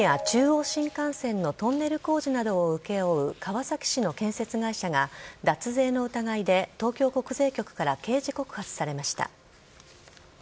中央新幹線のトンネル工事などを請け負う川崎市の建設会社が、脱税の疑いで東京国税局から刑事告発されました。